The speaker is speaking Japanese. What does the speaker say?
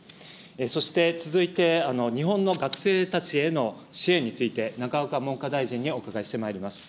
そして、続いて、日本の学生たちへの支援について、永岡文科大臣にお伺いしてまいります。